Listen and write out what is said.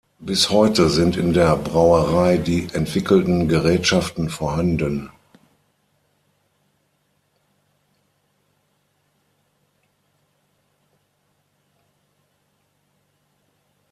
Bis heute sind in der Brauerei die entwickelten Gerätschaften vorhanden.